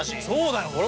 そうだよ！